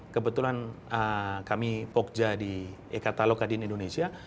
kebetulan kami pokja di e katalog kak din indonesia